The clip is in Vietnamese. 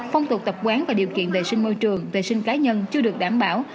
phong tục tập quán và điều kiện vệ sinh môi trường vệ sinh cá nhân chưa được đảm bảo